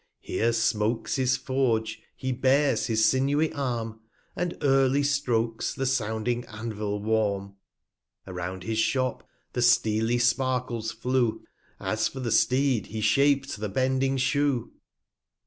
Here smoaks his Forge, he bares his sinewy Arm, And early Strokes the sounding Anvil warm; Around his Shop the steely Sparkles flew, 255 As for the Steed he shap'd the bending Shoe.